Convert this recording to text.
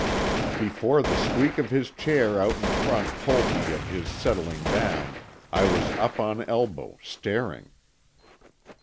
Before the squeak of his chair out in front told of his settling down, I was up on elbow, staring.